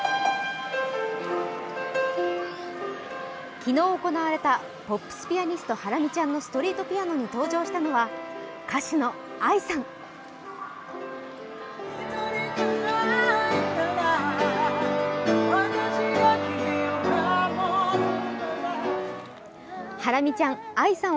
昨日行われたポップスピアニスト・ハラミちゃんがストリートピアノに登場したのは歌手のＡＩさん。